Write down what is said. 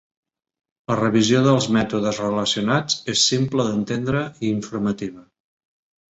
La revisió dels mètodes relacionats és simple d'entendre i informativa.